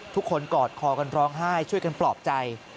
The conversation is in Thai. กอดคอกันร้องไห้ช่วยกันปลอบใจ